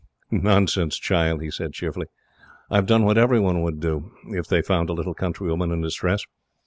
"Nonsense, child!" he said cheerfully. "I have done what every one would do, if they found a little countrywoman in distress.